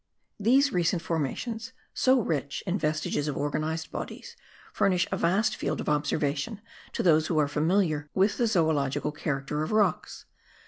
These recent formations, so rich in vestiges of organized bodies, furnish a vast field of observation to those who are familiar with the zoological character of rocks.